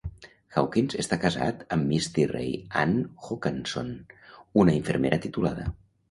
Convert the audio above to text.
Hawkins està casat amb Misti Rae Ann Hokanson, una infermera titulada.